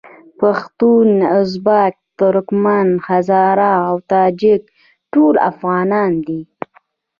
پښتون، ازبک، ترکمن، هزاره او تاجک ټول افغانان دي.